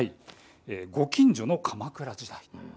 「ご近所の鎌倉時代」。